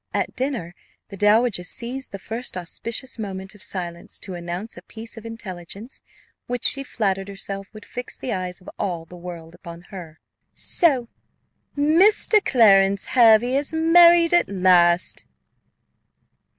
At dinner, the dowager seized the first auspicious moment of silence to announce a piece of intelligence, which she flattered herself would fix the eyes of all the world upon her. "So Mr. Clarence Hervey is married at last!"